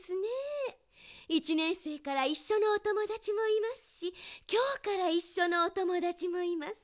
１ねんせいからいっしょのおともだちもいますしきょうからいっしょのおともだちもいます。